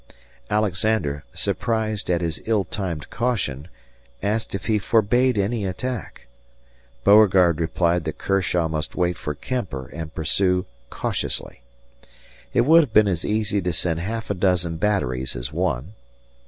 Alexander, surprised at his ill timed caution, asked if he forbade any attack. Beauregard replied that Kershaw must wait for Kemper and pursue cautiously. It would have been as easy to send half a dozen batteries as one.